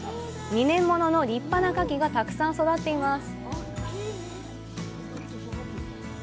２年物の立派な牡蠣がたくさん育っています！